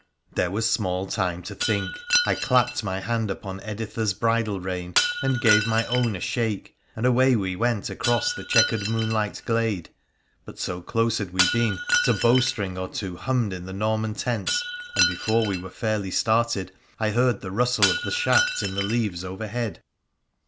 There was small time to think. I clapped my hand upon Editha's bridle rein and gave my own a shake, and away we went across the chequered moonlight glade. But so close had we been that a bow string or two hummed in the Norman tents, and before we were fairly started I heard the rustle of the shafts in the leaves overhead.